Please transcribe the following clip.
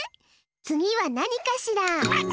つぎはなにかしら？